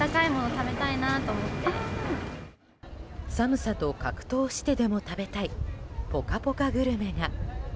寒さと格闘してでも食べたいポカポカグルメが。